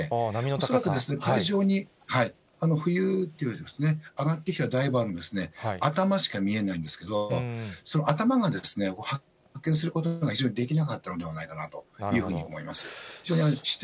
恐らく海上に浮遊ですね、上がってきたダイバーも頭しか見えないんですけども、その頭が、発見することが非常にできなかったのではないかなと思います。